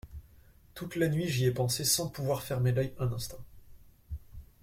Toute la nuit j’y ai pensé sans pouvoir fermer l’œil un instant.